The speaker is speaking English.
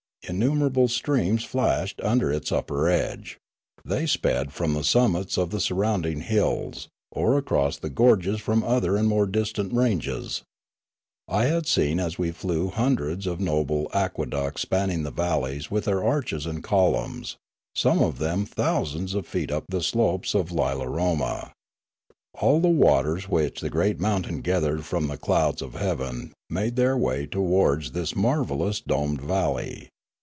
Innumerable streams flashed Rimla 101 under its upper edge; they sped from the summits of the surrounding hills, or across the gorges from other and more distant ranges. I had seen as we flew hun dreds of noble aqueducts spanning the valleys with their arches and columns, some of them thousands of feet up the slopes of Lilaroma. All the waters which the great mountain gathered from the clouds of heaven made their way towards this marvellous domed valley.